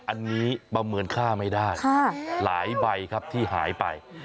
อันนี้ประเมินค่าไม่ได้หลายใบครับที่หายไป